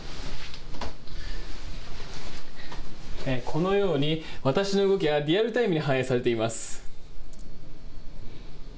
このように、私の動きがリアルタイムに反映されています。